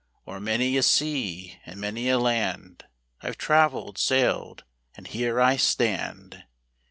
O'er many a sea, and many a land, I've travelled, sailed, and here I stand.